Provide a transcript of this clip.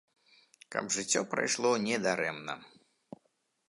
Каб жыццё прайшло не дарэмна.